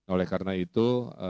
oleh karena itu